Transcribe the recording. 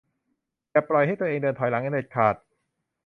อย่าปล่อยให้ตัวเองเดินถอยหลังเด็ดขาด